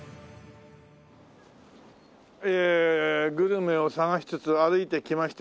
ええグルメを探しつつ歩いてきました